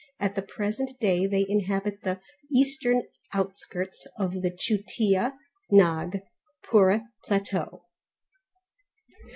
At the present day they inhabit the Eastern outskirts of the Chutia Nagpore plateau.